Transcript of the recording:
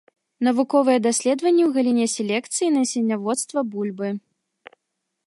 Навуковыя даследаванні ў галіне селекцыі і насенняводства бульбы.